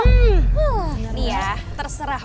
nih ya terserah